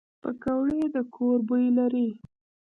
پکورې د کور بوی لري